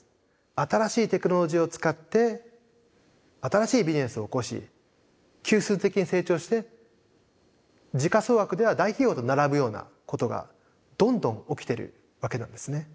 新しいテクノロジーを使って新しいビジネスを興し級数的に成長して時価総額では大企業と並ぶようなことがどんどん起きてるわけなんですね。